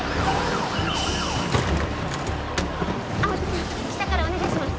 青戸先生下からお願いします